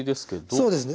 そうですね。